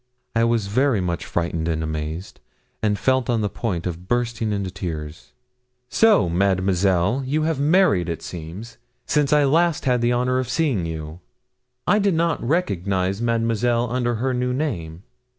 I was very much frightened and amazed, and felt on the point of bursting into tears. 'So, Mademoiselle, you have married, it seems, since I had last the honour of seeing you? I did not recognise Mademoiselle under her new name.'